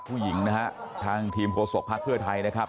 ผู้หญิงนะฮะทางทีมโฆษกภักดิ์เพื่อไทยนะครับ